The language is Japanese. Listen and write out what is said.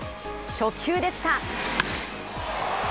初球でした。